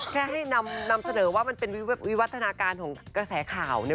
แค่ให้นำเสนอว่ามันเป็นวิวัฒนาการของกระแสข่าว